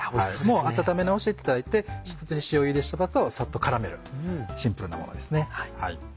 もう温め直していただいて普通に塩ゆでしたパスタをサッと絡めるシンプルなものですね。